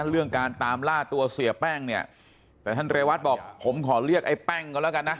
เรื่องการตามล่าตัวเสียแป้งเนี่ยแต่ท่านเรวัตบอกผมขอเรียกไอ้แป้งก็แล้วกันนะ